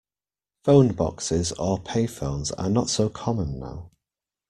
Phone boxes or payphones are not so common now